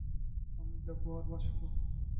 আমি যাবো আর আসবো।